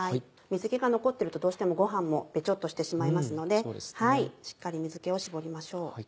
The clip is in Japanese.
水気が残ってるとどうしてもご飯もベチョっとしてしまいますのでしっかり水気を絞りましょう。